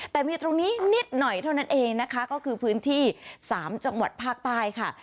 แต่มีตรงนี้นิดหน่อยเท่านั้นเองนะคะก็คือพื้นที่๓จังหวัดภาคใต้ค่ะ